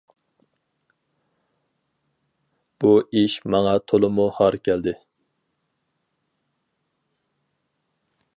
بۇ ئىش ماڭا تولىمۇ ھار كەلدى.